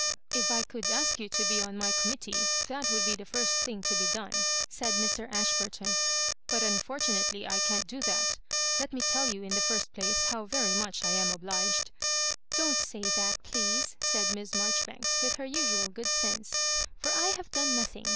'* *'If I could ask you to be on my committee, that would be the first thing to be done," said Mr. Ashburton, " but unfortunately I can't do that Let me tell you in the first place how very much I am obliged ——"" Don't say that, please," said Miss Marjori banks, with her usual good sense, " for I liave done nothing.